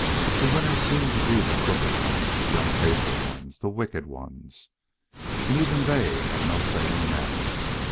The winners seemed to be the crooked ones, the unfaithful ones, the wicked ones. And even they had no say in the matter.